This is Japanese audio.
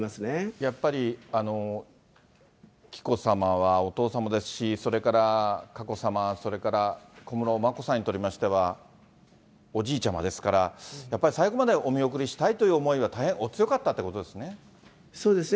やっぱり紀子さまは、お父様ですし、それから佳子さま、それから小室眞子さんにとりましては、おじいちゃまですから、やっぱり最後までお見送りしたいというお気持ちは大変お強かったそうですね。